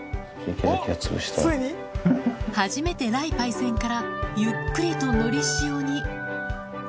初めて雷パイセンから、ゆっくりとのりしおに。